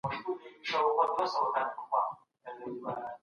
روغتیا تاج دی چې یوازې ناروغان یې ویني.